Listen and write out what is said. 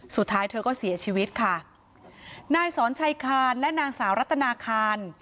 สุดท้ายเธอก็เสียชีวิตค่ะนายสอนชัยคานและนางสาวรัตนาคาร